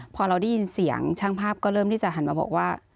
พอเราได้ยินเสียงช่างภาพก็เริ่มที่จะหันมาบอกว่า